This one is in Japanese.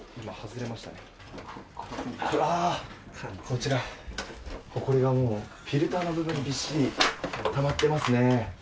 こちら、ほこりがフィルターの部分にびっしり、たまっていますね。